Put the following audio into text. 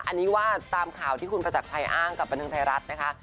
อันนี้ว่าตามข่าวที่คุณประจักรชัยอ้างกับบันทึงไทยรัฐนะคะ